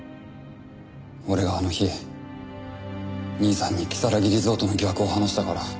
俺があの日兄さんに如月リゾートの疑惑を話したから。